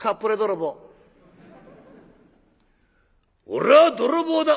「俺は泥棒だ！」。